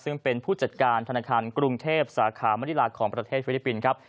ซึ่งเป็นผู้จัดการธนาคารกรุงเทพสาขามนิลาของประเทศฟิลิปปินส์ครับ